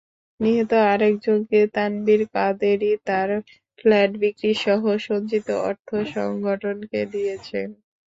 নিহত আরেক জঙ্গি তানভীর কাদেরী তাঁর ফ্ল্যাট বিক্রিসহ সঞ্চিত অর্থ সংগঠনকে দিয়েছেন।